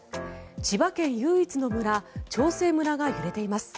千葉県唯一の村長生村が揺れています。